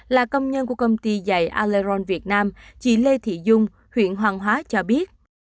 là công nhân của công ty dày aleron việt nam chị lê thị dung huyện hoàng hóa cho biết